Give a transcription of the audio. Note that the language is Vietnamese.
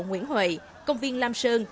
nguyễn huệ công viên lam sơn